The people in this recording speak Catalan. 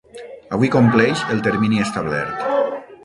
Avui compleix el termini establert.